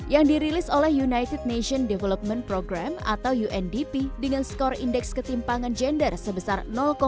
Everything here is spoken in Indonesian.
yang dirilis oleh united nation development program atau undp dengan skor indeks ketimpangan gender sebesar empat ratus delapan puluh